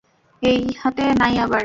এইহাতে নাই আবার।